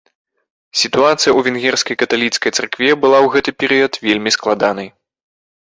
Сітуацыя ў венгерскай каталіцкай царкве была ў гэты перыяд вельмі складанай.